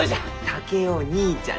竹雄義兄ちゃん。